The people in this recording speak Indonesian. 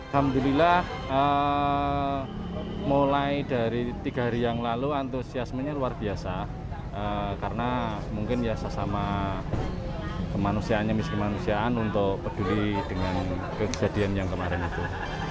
alhamdulillah mulai dari tiga hari yang lalu antusiasmenya luar biasa karena mungkin ya sesama kemanusiaannya miskinmanusiaan untuk peduli dengan kejadian yang kemarin itu